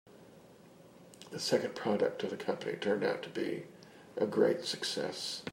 The second product of the company turned out to be a great success.